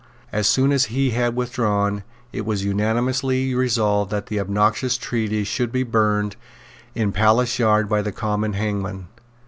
As soon as he had withdrawn, it was unanimously resolved that the obnoxious treatise should be burned in Palace Yard by the common hangman.